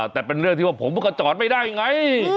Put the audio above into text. แต่เป็นเรื่องที่ว่าผมก็จอดไม่ได้ไง